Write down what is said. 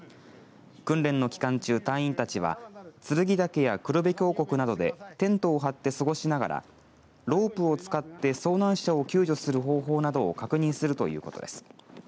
訓練の期間中、隊員たちは剱岳や黒部峡谷などでテントを張って過ごしながらロープを使って遭難者を救助する方法などを確認するということです。